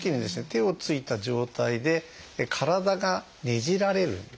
手をついた状態で体がねじられるんですね。